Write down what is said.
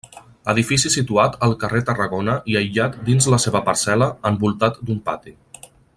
Edifici situat al carrer Tarragona i aïllat dins la seva parcel·la, envoltat d'un pati.